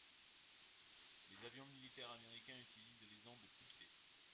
Les avions militaires américains utilisent les ondes pulsées.